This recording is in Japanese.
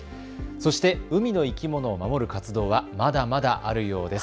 そして海の生き物を守る活動はまだまだあるようです。